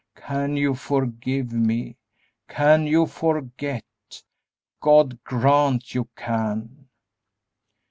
Can you forgive me? Can you forget? God grant you can!"